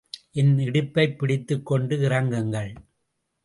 என் இடுப்பைப் பிடித்துக் கொண்டு இறங்குங்கள்.